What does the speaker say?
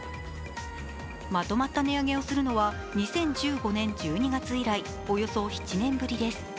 まとまった値上げをするのは２０１５年１２月以来およそ７年ぶりです。